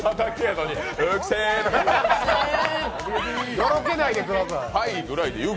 のろけないでください。